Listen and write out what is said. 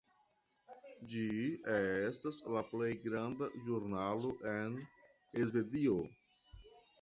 Ĝi estas la plej granda ĵurnalo en Svedio.